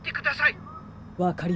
わかりました。